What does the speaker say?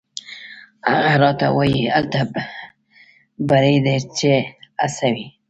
هغه راته وایي: «هلته بری دی چې هڅه وي».